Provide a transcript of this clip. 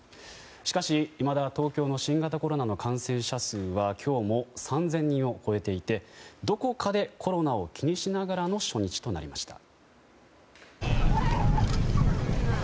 しかし、いまだ東京の新型コロナの感染者数は今日も３０００人を超えていてどこかでコロナを気にしながらの初日となりました。